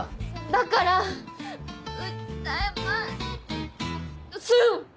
だから訴えますん！